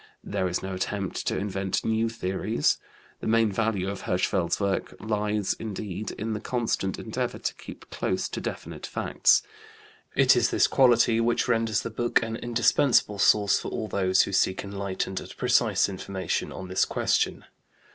There is no attempt to invent new theories; the main value of Hirschfeld's work lies, indeed, in the constant endeavor to keep close to definite facts. It is this quality which renders the book an indispensable source for all who seek enlightened and precise information on this question.